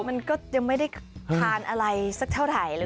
มันก็ยังไม่ได้ทานอะไรสักเท่าไหร่เลย